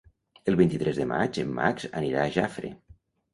El vint-i-tres de maig en Max anirà a Jafre.